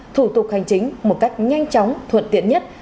thủ tục hành chính một cách nhanh chóng thuận tiện nhất